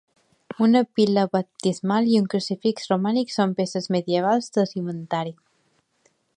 Una pila baptismal i un crucifix romànic són peces medievals de l'inventari.